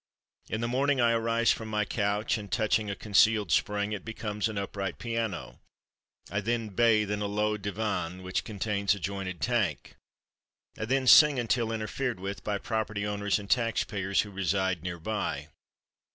In the morning I arise from my couch and, touching a concealed spring, it becomes an upright piano. I then bathe in a low divan which contains a jointed tank. I then sing until interfered with by property owners and tax payers who reside near by.